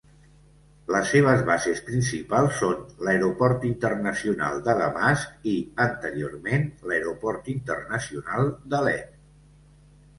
Les seves bases principals són l'aeroport internacional de Damasc i, anteriorment, l'aeroport internacional d'Alep.